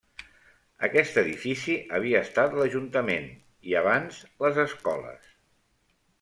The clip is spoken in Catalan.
Aquest edifici havia estat l'ajuntament i abans les escoles.